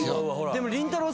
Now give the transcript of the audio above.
でもりんたろー。